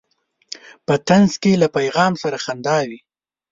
په طنز کې له پیغام سره خندا وي.